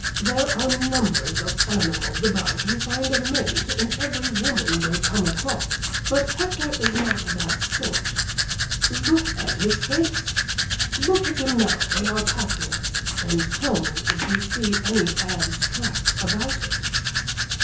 There are numbers of animals about who find a 'mate' in every woman they come across. But Hector is not that sort. Look at his face look at him now they are passing us, and tell me if you see any abstract about it?"